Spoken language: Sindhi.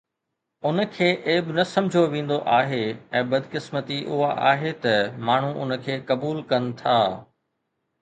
ان کي عيب نه سمجهيو ويندو آهي ۽ بدقسمتي اها آهي ته ماڻهو ان کي قبول ڪن ٿا.